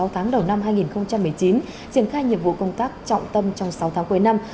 sáu tháng đầu năm hai nghìn một mươi chín triển khai nhiệm vụ công tác trọng tâm trong sáu tháng cuối năm